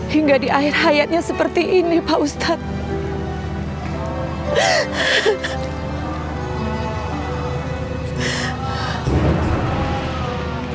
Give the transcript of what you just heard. hingga di akhir hayatnya seperti ini pak ustadz